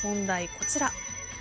こちら。